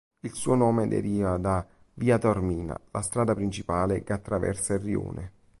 Il suo nome deriva da "via Taormina", la strada principale che attraversa il rione.